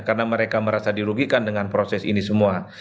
karena mereka merasa dilugikan dengan proses ini semua